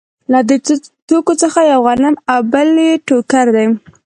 له دې توکو څخه یو غنم او بل یې ټوکر دی